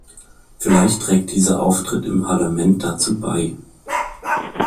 Vielleicht trägt dieser Auftritt im Parlament dazu bei.